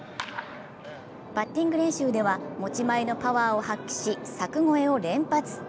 バッティング練習では持ち前のパワーを発揮し柵越えを連発。